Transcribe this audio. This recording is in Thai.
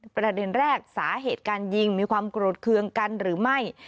ประเด็นแรกสาเหตุการยิงมีความโกรธเคืองกันหรือไม่